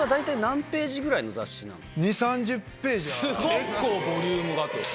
結構ボリュームがある。